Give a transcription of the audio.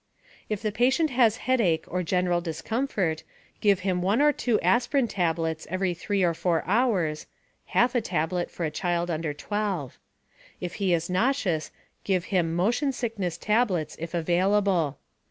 If the patient has headache or general discomfort, give him one or two aspirin tablets every 3 or 4 hours (half a tablet, for a child under 12). If he is nauseous, give him "motion sickness tablets," if available.